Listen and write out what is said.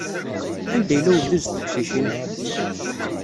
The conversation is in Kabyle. Anda yella ubduz n teqcicin?